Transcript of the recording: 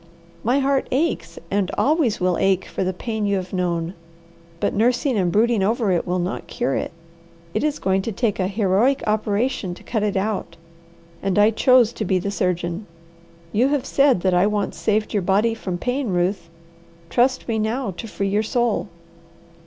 My heart aches, and always will ache for the pain you have known, but nursing and brooding over it will not cure it. It is going to take a heroic operation to cut it out, and I chose to be the surgeon. You have said that I once saved your body from pain Ruth, trust me now to free your soul."